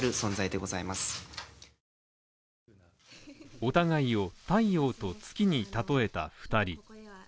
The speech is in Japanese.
お互いを太陽と月に例えた２人